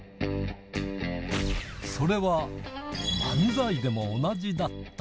それは漫才でも同じだった。